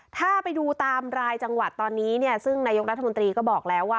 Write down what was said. ถ้าไปดูตามรายจังหวัดตอนนี้เนี่ยซึ่งนายกรัฐมนตรีก็บอกแล้วว่า